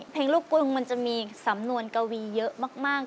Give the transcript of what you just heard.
เพลงลูกกรุงมันจะมีสำนวนกวีเยอะมาก